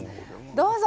どうぞ！